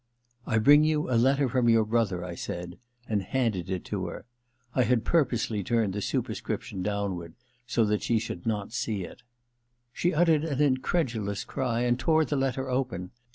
* I bring you a letter from your brother,' I said, and handed it to her. I had purposely turned the superscription downward, so that she should not see it. She uttered an incredulous cry and tore the letter open.